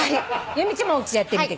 由美ちゃんもうちでやってみて。